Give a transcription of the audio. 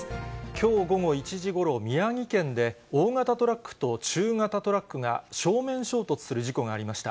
きょう午後１時ごろ、宮城県で、大型トラックと中型トラックが正面衝突する事故がありました。